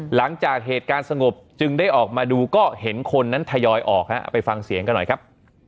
หลังจากเหตุการณ์สงบจึงได้ออกมาดูก็เห็นคนนั้นทยอยออกฮะเอาไปฟังเสียงกันหน่อยครับ